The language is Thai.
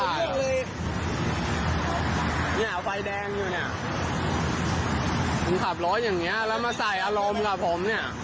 ก็เลยเนี่ยไฟแดงอยู่เนี่ยผมขับรถอย่างเงี้ยแล้วมาใส่อารมณ์กับผมเนี่ย